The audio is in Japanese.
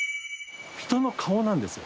人の顔なんですよ。